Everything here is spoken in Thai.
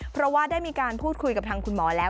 เพราะว่าได้มีการพูดคุยกับทางคุณหมอแล้ว